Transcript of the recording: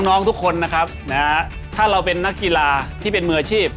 น้องทุกคนนะครับนะฮะถ้าเราเป็นนักกีฬาที่เป็นมืออาชีพ